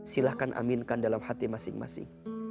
silahkan aminkan dalam hati masing masing